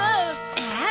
えっ？